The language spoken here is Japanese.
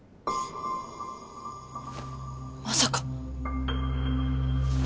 まさか！